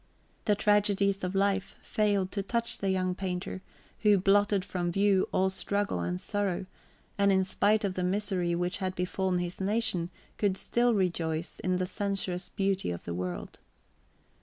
The tragedies of life failed to touch the young painter, who blotted from view all struggle and sorrow, and, in spite of the misery which had befallen his nation, could still rejoice in the sensuous beauty of the world.